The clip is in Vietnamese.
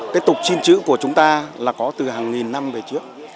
cái tục xin chữ của chúng ta là có từ hàng nghìn năm về trước